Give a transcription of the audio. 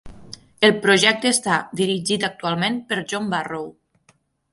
El projecte està dirigit actualment per John Barrow.